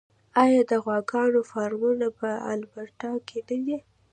آیا د غواګانو فارمونه په البرټا کې نه دي؟